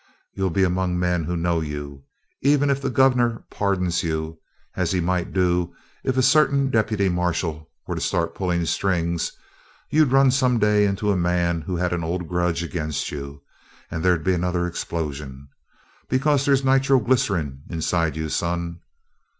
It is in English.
You'll be among men who know you. Even if the governor pardons you as he might do if a certain deputy marshal were to start pulling strings you'd run some day into a man who had an old grudge against you, and there'd be another explosion. Because there's nitroglycerin inside you, son!